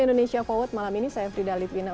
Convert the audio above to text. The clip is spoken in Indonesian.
indonesia forward malam ini saya frida litwina